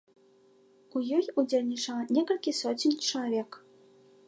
У ёй удзельнічала некалькі соцень чалавек.